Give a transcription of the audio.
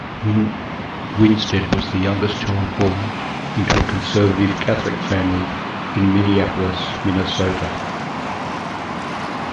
Winstead was the youngest child born into a conservative Catholic family, in Minneapolis, Minnesota.